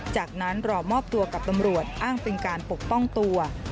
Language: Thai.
จากนั้นรอมอบตัวกับตำรวจอ้างเป็นการปกป้องตัว